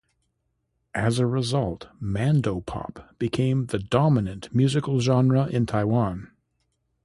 As a result, mandopop became the dominant musical genre in Taiwan.